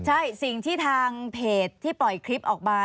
ใช่สิ่งที่ทางเพจที่ปล่อยคลิปออกมา